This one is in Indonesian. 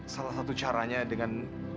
salah satu caranya dengan